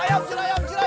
tasik tasik tasik